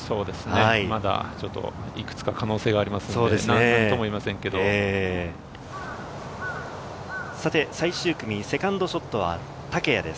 まだいくつか可能性があ最終組、セカンドショットは竹谷です。